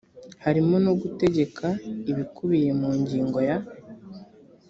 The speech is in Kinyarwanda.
harimo no gutegeka ibikubiye mu ngingo ya